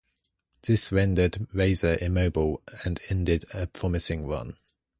This rendered Razer immobile and ended a promising run.